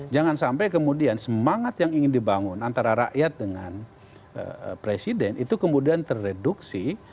jangan sampai kemudian semangat yang ingin dibangun antara rakyat dengan presiden itu kemudian terreduksi